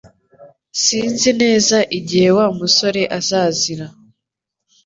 Sinzi neza igihe Wa musore azazira